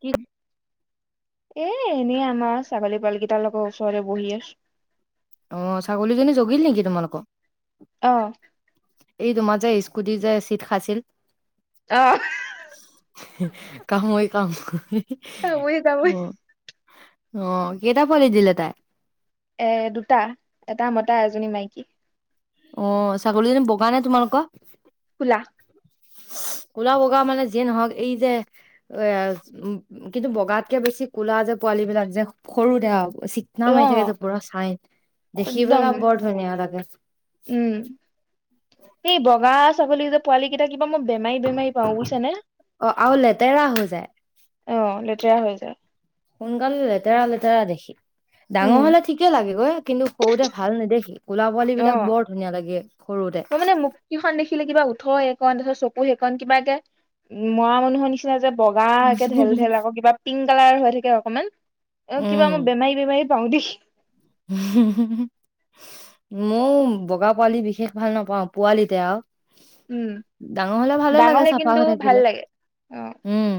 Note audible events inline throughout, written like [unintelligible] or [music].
কি? এ এনেই আমাৰ ছাগলী পোৱালকেইটাৰ লগৰ ওচৰতে বহি আছো। অ ছাগলীজনী জগিল নেকি তোমালোকৰ অ এই তোমাৰ যে স্কুটি যে চিট খাইছিল অ কামুৰি কামুৰি কামুৰি কামুৰি অ কেইটা পোৱালি দিলে তাই? এ দুটা এটা মতা এজনী মাইকী অ ছাগলীজনী বগা নে তোমালোকৰ? কলা কলা বগা মানে যিয়ে নহওঁক এই যে এ উ কিন্তু বগাতকে বেছি কলা যে পোৱালী বিলাক যে সৰু [unintelligible] চিকনা অ মাৰি থাকে পুৰা চাইন দেখি একদম পেলাই বৰ ধুনীয়া লাগে উম সেই বগা ছাগলী যে পোৱালি কেইটা মই বেমাৰী বেমাৰী পাওঁ বুজিছ নে অ আৰু লেতেৰা হৈ যায় অ লেতেৰা হৈ যায় সোনকালে লেতেৰা লেতেৰা দেখি উম ডাঙৰ হলে ঠিকে লাগেগৈ, কিন্তু সৰুতে ভাল নেদেখি ক'লা পোৱালী অ, বিলাক বৰ ধুনীয়া লাগে সৰুতে মই মানে, মুক্তিখন দেখিলে কিবা উঠয়ত চ সেইখন কিবাকে উম, মৰা মানুহৰ নিচিনা যে বগা একেঢেল ঢেলকৌ কিবা পিংক কালাৰ হৈ থাকে। অকণমান। অ, কিবা আমাৰ বেমাৰী, বেমাৰী। পওঁ দি। ময়ও বগা পোৱালি বিশেষ ভাল নাপাওঁ পোৱালিতে আৰু। উম, ডাঙৰ হ'লে ভালে ডাঙৰ লাগে হলে চাফা কিন্তু হৈ থাকিলে। ভাল লাগে, অ। উম।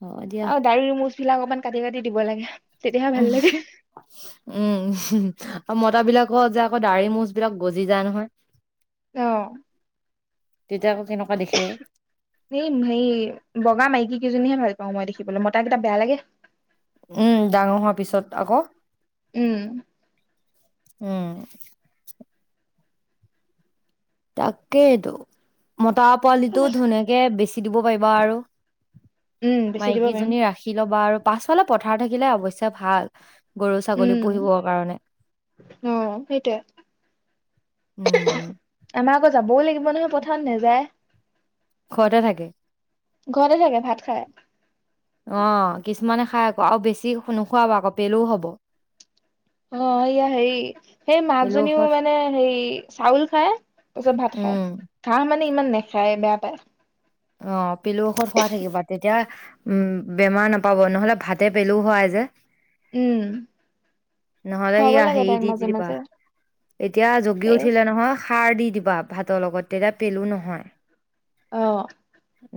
হ'ব দিয়া। অ, দাৰী মোচ। তিল অকমান কাটি, কাটি দিব লাগে। তেতিয়াহে ভাল উম, লাগে উম, উ। আৰু মতা বিলাকৰ যে আকৌ দা়ৰি মচ বিলাক গজি যায় নহয়। অ, তেতিয়া আকৌ কেনেকুৱা দেখে। এই, হে বগা মাইকী কেইজনীহে ভাল। মই দেখিবলৈ মইতা কেইটা বেয়া লাগে। উম, ডাঙৰ হোৱাৰ পিছত আকৌ। উম। উম। তাকেইটো। মতৰ পোৱালিটো ধুনীয়াকে বেছি দিব পাৰিবা আৰু উম বেছি দিব পাৰিম মাইকীজনী ৰাখি ল'বা আৰু। পাছফালে পথাৰ থাকিলে অৱশ্যে ভাল। গৰু-ছাগলী উম পুহিবৰ কাৰণে, অ সেইটোয়ে উম। যাবই লাগিব নহয় পথাৰত নেযায়। ঘৰতে থাকে। ঘৰতে থাকে, ভাত খাই। অ', কিছুমানে খাই আকৌ আৰু বেছি নোখুৱাব আকৌ পেলও হব। অ, সেয়া হেৰি সেই পেলু মাকজনীও ঔষধ মানে হেৰি চাউল খায়, তাৰ পিছত ভাত খায় উম ঘাঁহ মানে ইমান নেখায় বেয়া পায়। অ। পিলু ঔষধ খোৱা থাকিবা তেতিয়া? উম, বেমাৰ নাপাব নহলে ভাতে পেলু হয় যে। উম। নহ'লে সি খুৱাব লাগে হেৰি তাইক দি মাজে দিবা মাজে এতিয়া জগি এই উঠিলে নহয় সাৰ দি। দিবা ভাতৰ লগত তেতিয়া পেলু নহয়। অহ।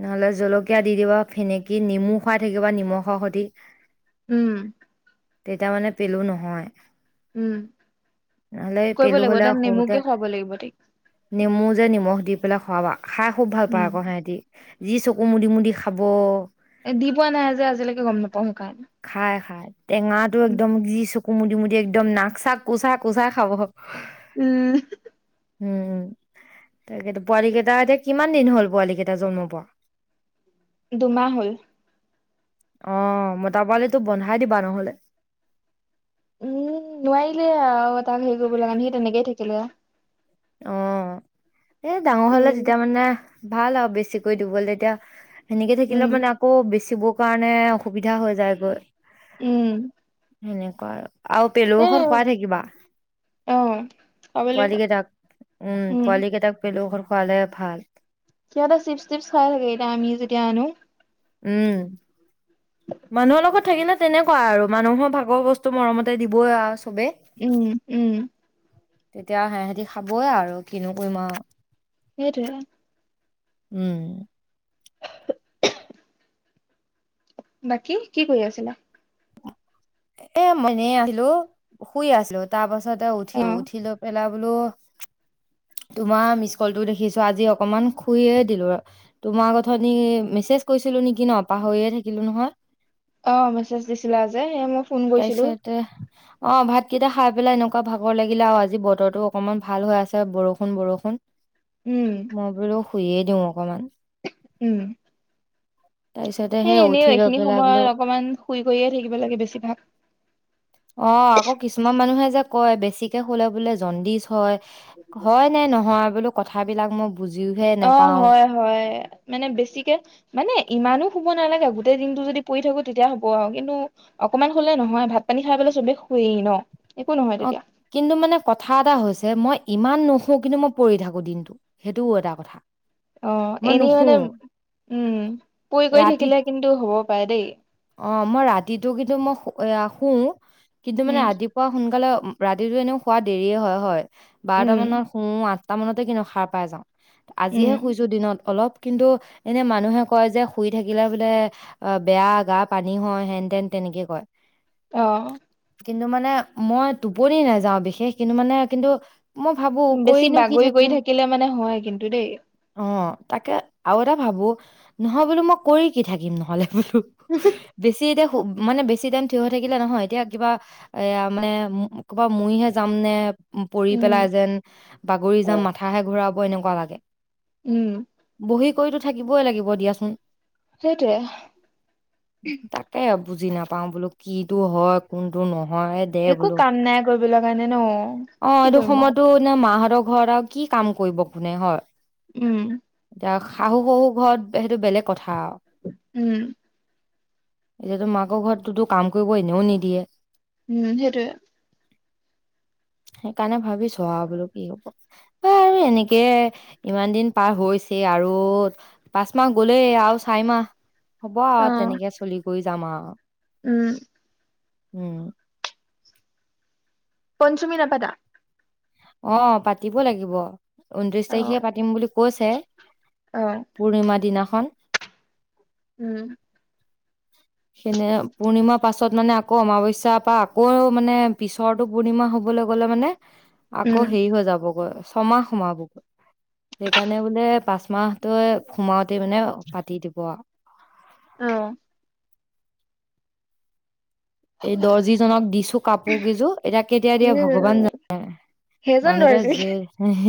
নহ'লে জলকীয়া দি দিবা ফেনেকি নিমু খাই থাকিবা নিমখৰ সতে। উম। তেতিয়া মানে পেলু ন হয়। উম' কৰিব পেলু লাগিব হ'লে তাই সৰুতে নেমুকে খুৱাব লাগিব ত নেমু যে নিমখ দি পেলাই খুৱাবা। খাই খুব ভাল পায় উম আকৌ সিহঁতি যি চকু মুদি-মুদি খাব। এ দি পোৱা নাই যে আজিলৈকে গম নাপাওঁ শ কাৰানে। খাই খাই টেঙাটো একদম যি চ কু মুদি-মুদি একদম নাক চাক কোচা-কোচা খাব। উম উম-উম, তাকেই পোৱালি কেইটা এতিয়া কিমান দিন হ'ল পোৱালি কেইটা জন্ম পোৱা। দুমাহ হল। অহ মতা পোৱালো বন্ধাই দিবা নহ'লে। উম নোৱাৰিলে আৰু তাক হেৰি কৰিব লগা সি তেনেকেই থাকিলে অহ, এ ডাঙৰ হলে তেতিয়া মানে ভাল আৰু বেছিকৈ দিবলৈ তেতিয়া। সেনেকে থাকিলে উম মানে আকৌ বেছি। চিব কাৰণে অসুবিধা হৈ যায়গৈ। উম, সেনেকুৱা আৰু। আৰু পেলু সেই ঔষধ খুৱাই থাকিবা অ খাব লাগিব পোৱালি কেইটাক। উম পোৱালি কেইটাক পেট- লো ঔষধ খোৱালে ভাল। সিহঁতে চিপছ টিপছ খাই থাকে এতিয়া আমি যেতিয়া আনো। উম মানুহৰ লগত থাকিলে তেনেকুৱা আৰু মানুহৰ ভাগৰ বস্তু মৰমতে দিবই আৰু চবে। উম উম তেতিয়া সেহতি খাবইে আৰু কিনো কৰিম আৰু হেইটোৱে আ উম বাকী কি কৰি আছিলা? এ মই এনেই আছিলো শুই আছিলো তাৰ পাছ- তে উঠি অ উঠি লৈ পেলাই গলো তোমাৰ মিচ কলটো দেখিছো আজি অকমান খুয়ে দিলো। তোমাৰ কথা মেছেজ কৈছিলো নেকি ন পাহৰিয়ে থাকিলো নহয় অ মেছেজ দিছিলা যে এ মোক তাৰপিছতে অ ভাত কেইটা খাই পেলাই এনেকুৱা ভাগৰ লাগিলে আৰু আজি বতৰো অকমান ভাল হৈ আছে বৰষুণ বৰষুণ। উম মই বোলো শুইয়ে দিওঁক অকমান উম, তাৰপিছতে সেই এনেও উঠি লৈ এইখিনি পেলাই বোলো সময়ত, অকমান শুই শুইয়ে থাকিব লাগে বেছিভাগ। অ, আকৌ কিছুমান মানুহে যে কয়, বেছিকে শুলে বোলে জণ্ডিচ হয়। হয়, নে নহয় বোলো। কথাবিলাক মই বুজিহে অ, নেপাও হয়, হয়, মানে বেছিকে মানে ইমানো শুব নালাগে গোটেই দিনটো যদি পৰি থাকো, তেতিয়া হ'ব আৰু কিন্তু অকমান হলে নহয়, ভাত পানী খাই বোলে চবে শুইয়ে ন একো নহয় অ, তেতিয়া কিন্তু মানে কথা এটা হৈছে মই ইমান নুহু, কিন্তু মই পৰি থাকো দিনটো সেইটোও এটা কথা। অ, মই এনেই নুশু মানে উম, শুই কই ৰাতি থাকিলে কিন্তু হ'ব পাৰে দেই অ, মই ৰাতিটো কিন্তু, ম‌ই শুউ কিন্তু মানে উম ৰাতিপুৱা সোনকালে ৰাতিটো এনেও হোৱাত দেৰিয়ে হয় হয়। বাৰটা উম মানত শু, আঠ তাৰ মানতে কিন্তু, সাৰ পাই যাওঁ। আজিহে উম শুইছো, দিনত অলপ। কিন্তু এনে মানুহে কয় যে, শুই থাকিলে বোলে অ, বেয়া গাপ পানী হয়, হেন তেন তেনেকে কয় অ ' কিন্তু মানে মই টোপনি নেযাওঁ, বিশেষ কিন্তু মানে কিন্তু মই ভাবো বেছি কৰিনো কি বাগৰি কৰি থাকিম থাকিলে, মানে হয় কিন্তু দেই অ তাকে আৰু এটা ভাবো, নহয় বোলো মই কৰি কি থাকিম নহ'লে বোলো। বেছি এতিয়া শুই মানে বেছি টাইম থিয় হৈ থাকিলে নহয় এতিয়া কিবা এয়া মানে, কব মৰিহে যাম নে। পৰি উম পেলাই, যেন বাগৰি যাম মাথাহে ঘুৰাব। এনেকুৱা লাগে। উম। বহি কৰিতো থাকিবই লাগিব দিয়াচোন। সেইটোৱে তাকে অ বুজি নাপাওঁ, বোলো কিটো হয়, কোনটো নো নহয় দে একো বোলো কাম নাই কৰিবলৈ কাৰণে ন অ' কি এইটো কৰিম আৰু সময়তো মাহঁতক ঘৰত আৰু কি কাম কৰিব কোনে হয়। উম। তাত শাহু-শহুৰ ঘৰত সেইটো বেলেগ কথা। আৰু উম এতিয়াতো মাকৰ ঘৰততো কাম কৰিব এনেও নিদিয়ে। উম, সেইটোৱে। সেইকাৰণে ভাবিছো আৰু বোলো কি হ'ব। বাৰু এনেকে ইমান দিন পাৰ হৈছে আৰু পাঁচ মাহ গলেই আৰু চাৰি মাহ হ'ব‌ও অ আৰু তেনেকে চলি বৈ যাম আৰু। উম। উম। পঞ্চমী নাপাতা। অ', পাতিব লাগিব। ঊনত্ৰিশ তাৰিখে পাতিম বুলি কৈছে। পূৰ্ণিমাৰ দিনাখ খন উম। সিদিনে, পূৰ্ণিমাৰ পাছত মানে আকৌ অমাৱস্যাৰ পৰা আকৌ মানে পিছৰটো পূৰ্ণিমা হবলৈ গ'লে মানে আকৌ হেৰি হৈ যাবগৈ। ছমাহ সোমাবগৈ। সেইকাৰণে বোলে পাচঁ মাহটোৱে সোমাওঁতে মানে পাতি দিব আৰু। অ। এই দৰ্জিজনক দিছো কাপোৰ কেইযোৰ। এতিয়া কেতিয়া দিয়ে ভগৱান জানে আৰ। সেইজন মানুহতৰ দৰ্জি জে হ‌হ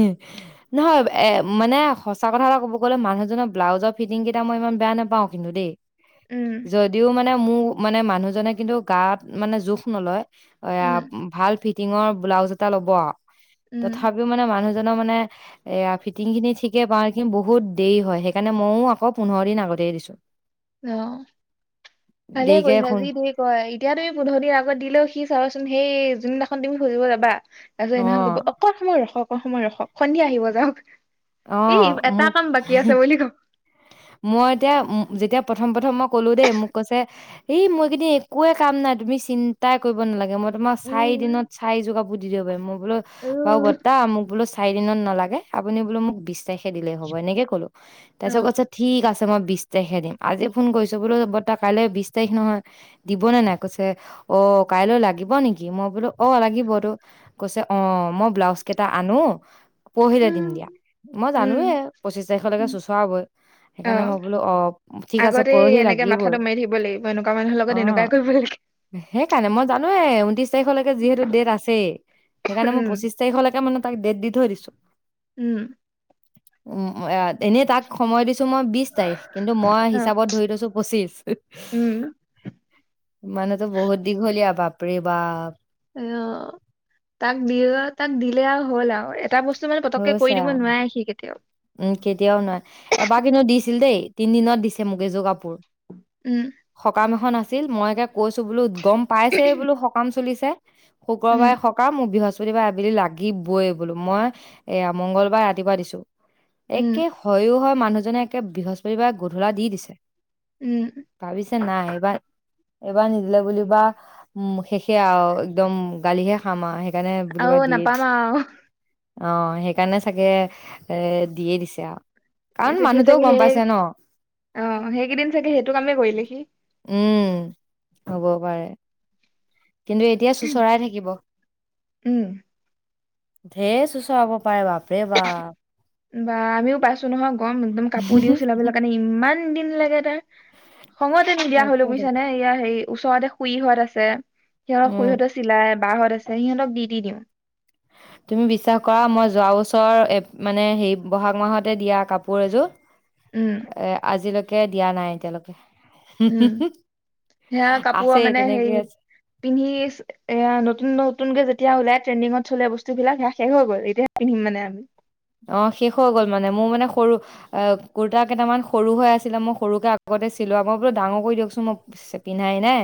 নহয়, এ মানে সঁচা কথা এটা ক'ব গ'লে, মানুহজনৰ ব্লাউজৰ ফিটিং কেইটা মই ইমান বেয়া নাপাওঁ, কিন্তু দেই। উম যদিও মান মানে, মোৰ মানে মানুহজনে কিন্তু গাত, মানে জোখ নলয় অয়া উম ভাল ফিট ফিটিংৰ ব্লাউজ এটা ল'ব আৰু উম তথাপিও মানে মানুহ মানুহৰজনৰ মানে, এ ফিটিং খিনি ঠিকে পাওঁ, কিন্ত বহুত দেৰি হয়, সেইকাৰণে ম‌ইও আকৌ পোন্ধোৰ দিন আগতে দিছো। অ', ভালে দেৰিকে কৰিছা, শুন যি দেৰি কৰে, ই এতিয়া তুমি পোন্ধোৰ দিন আগত দিলেও, সি চাবাচোন, সেই যনদিনাখন তুমি সুধিব যাবা তাৰপিছত অ সিদিনাখন ক'ব অকণ সময় ৰখক, অ'। সময় ৰখক, সন্ধিয়া আহিব যাওক। অ এই এটা মোক কাম বাকী আছে বুলি ক মই এতিয়া ম-যেতিয়া প্ৰথম-প্ৰথম মই ক'ল দেই, মোক কৈছে এই মই এইকেইদিন একোৱে কাম নাই তুমি চিন্তাই কৰিব নালাগে। মই তোমাক চাৰি উম দিনত, চাৰিযোৰ কাপোৰ দি দিব পাৰিম। মই বোলো, বাৰু উম বৰতা, মোক বোলো চাৰি দিনত নালাগ আপুনি বোলো, মোক বিশ তাৰিখ খে দিলে হ'ব, এনেকে কলো অ তাচত কছে, ঠিক আছে আছে মই বিশ তাৰিখে দিম, আজি ফোন কৰিছো বোলো ব'তা কাইলৈ বিশ তাৰিখ নহয়, দিবনে নাই? কৈছে, অ' কাইলৈ লাগিব নেকি? মই বোলো অঁ লাগিবতো কৈছে অঁ, মই ব্লাউজ কেইটা আনো, পৰহিলে দিম উম দিয়া। মই জানো'এ, পঁচিশ তাৰিখলৈকে চুচ অঁ, ঠিক আছে আগতে পৰহি এনেকে লাগিবই মাথাটো মাৰি থাকিব লাগিব, এনেকুৱা মানুহৰ অ লগত এনেকুৱাই কৰিব লাগে। সেইকাৰণে মই জানো ঊনতিশ প তাৰিখলৈকে যিহেতু ডেট আছে, সেইকাৰণে মই উম পচিশ তাৰিখলৈকে মানে তাক দেত দি থয়ছো। উম। উম, এনে তাক সময় দি মই বিশ তাৰিখ, কিন্তু মই অ হিচাপত ধৰি থৈছো পঁচিছ, উম মানুহতো বহুত দীঘলীয়া ভাব! বাব'ৰে বাব। অঁ তাক দি, তাক দিলে আৰু হ'ল আৰু এটা বস্তু মানে পতককে কৰি হৈছে দিব আ, নোৱাৰে সি কেতিয়াও উম কেতিয়াও নয়, এবাৰ কিন্তু দিছিল দেই। তিনিদিনত দিছে মোক এযোৰ উম সকাম এখন আছে ছিল মই এতিয়া কৈছো বুলো গম পাইছে বোলো সকাম চলিছে উম শুক্ৰবাৰে সকাম মোক বৃহস্ [unintelligible] বা আবেলি লাগিবই বোলো মই এয়া মংগলবাৰ ৰাতিপুৱা দিছোঁ উম একে হয়ো হয় মানুহজনে একে বৃহস্পতিবাৰে গধূলা দি দিছে উম ভাবিছে নাই এইবাৰ এইবাৰ নিদিলে বুলিবা উম শেষে আৰু একদম গালিহে খাম আৰু সেইকাৰণে বুলিবা আৰু দিয়ে নাপাম আৰু অ সেইকাৰণে চাগে এ দিয়েই দিছে আৰু কাৰণ সি মানুহটোও চাগে গম হে পাইছে ন অ সেইকেই দিন চাগে সেই এইটো কামে কৰিলে সি উম, হ'ব পাৰে কিন্তু এতিয়া চোচৰাই থাকিব উম ধেৰ চোচাৰাব পাৰে বাপ বা আমিও পাইছো নহয় গম একদম কাপোৰ দিও চিলাবলৈ কাৰণে ইমান তিনি দিন লাগে টাইম সময়তে নিদিয়া হলো তাকেটো। বুইছা নে ইয়াৰ হেৰি ওচৰতে শুই হোৱাত আছে সিহঁত উম, শুইহঁতে চিলাই বাহত আছে সিহঁতক দি দি দিওঁ ছৰ মানে সেই বহাগ মাহতে দিয়া কাপোৰ এযোৰ উম এ আজিলৈক কে দিয়া নাই এতিয়ালৈকে উম সেয়া কাপোৰ আছেই মানে তেনেকে হেৰি আছে। পিন্ধি এয়া নতুন নতুনকে যেতিয়া উলায় ট্ৰেণ্ডিঙত চলা বস্তুবিলাক শেষে হৈ গল এতিয়াহে পিন্ধিম মানে আমি অ শেষ হৈ গ'ল মানে মোৰ মানে সৰু কুৰ্তা কেইটামান সৰু হৈ আছিলে মই সৰুকে আগতে চিলোৱা মই বোলো ডাঙৰ কৰি দিয়কচোন মই পিন্ধাই নাই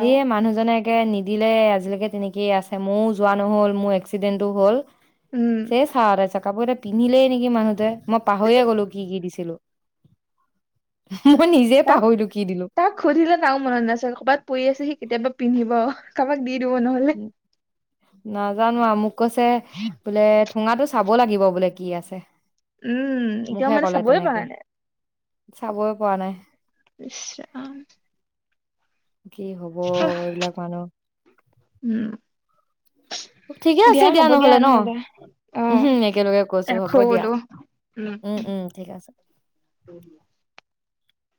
অ এইয়ে মানুহজনে একে নিজ দিলে আজিলৈকে তেনেকেই আছে ময়ো যোৱা নহ'ল মোৰ এক্সিডেন্টটো হ'ল উম [unintelligible] কাপোৰ এতিয়া পিন্ধিলেই নেকি মানুহটোৱে মই পাহৰিয়ে গ'লো কি কি দিছিলো মই নিজে তাক, পাহৰিলো কি দিলো তাক সুধিলে নাও মনত নাই চাগে, কৰবাত পৰি আছে সি কেতিয়াবা পিন্ধিব। কাবাক দি দিব নহলে। নাজানো আও মোক কৈছে বোলে সুঙাটো চাব লাগিব বোলে কি আছে। উম, এতিয়াও মানে চাবই পৰা নাই। চাবয়ে পোৱা নাই। ইছ ৰাম। কি হ'ব এইবিলাক মানুহ। উম। ঠিকে আছে দিয়া হ'ব দিয়া ন নহলে। অহ, উম, একেলগে কৈছো হ'ব ৰাখো দিয়া বোলো। উম উম ঠিক আছে